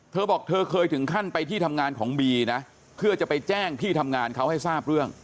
เธอบอกเธอเคยถึงขั้นไปที่ทำงานของบีนะเพื่อจะไปแจ้งที่ทำงานเขาให้ทราบเรื่อง